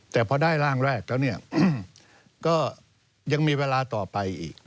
แต่พอได้ร่างแรกแล้วเนี่ยก็ยังมีเวลาต่อไปอีก